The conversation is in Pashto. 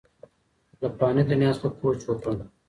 له فاني دنیا څخه کوچ وکړ